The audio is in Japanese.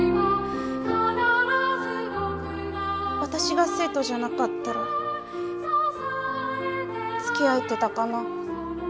私が生徒じゃなかったらつきあえてたかな？